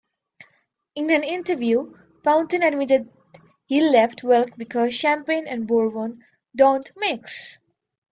In an interview, Fountain admitted he left Welk because Champagne and bourbon don't mix.